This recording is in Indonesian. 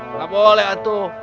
nggak boleh atu